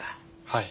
はい。